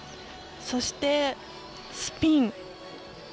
そしてスピン。